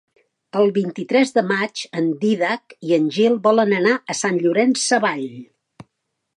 El vint-i-tres de maig en Dídac i en Gil volen anar a Sant Llorenç Savall.